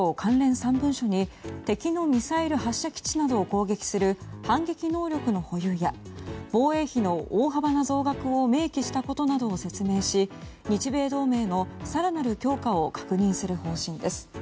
３文書に敵のミサイル発射基地などを攻撃する反撃能力の保有や防衛費の大幅な増額を明記したことなどを説明し日米同盟の更なる強化を確認する方針です。